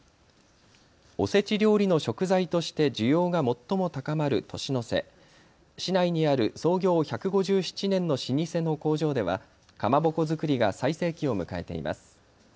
おせち料理の食材として需要が最も高まる年の瀬市内にある創業１５７年の老舗の工場ではかまぼこ作りが最盛期を迎えています。